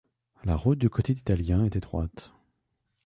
La route du côté italien est étroite.